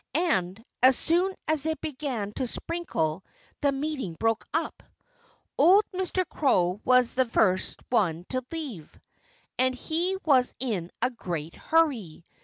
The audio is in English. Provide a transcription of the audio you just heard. And as soon as it began to sprinkle the meeting broke up. Old Mr. Crow was the first one to leave; and he was in a great hurry.